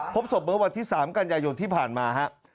พบศพเมื่อวันที่๓กันยายนที่ผ่านมาครับ